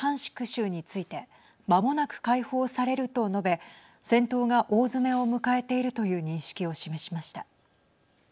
州についてまもなく解放されると述べ戦闘が大詰めを迎えているという認識を示しました。